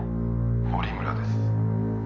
「森村です」